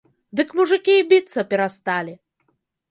Дык мужыкі і біцца перасталі!